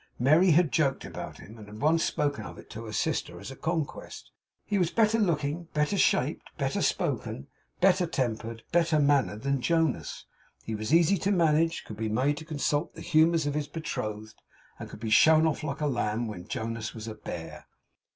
Merry had joked about him, and had once spoken of it to her sister as a conquest. He was better looking, better shaped, better spoken, better tempered, better mannered than Jonas. He was easy to manage, could be made to consult the humours of his Betrothed, and could be shown off like a lamb when Jonas was a bear.